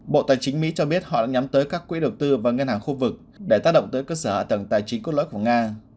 bộ tài chính mỹ cho biết họ đã nhắm tới các quỹ đầu tư và ngân hàng khu vực để tác động tới cơ sở hạ tầng tài chính cốt lõi của nga